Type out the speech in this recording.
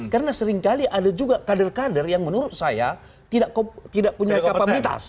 karena seringkali ada juga kader kader yang menurut saya tidak punya kapabilitas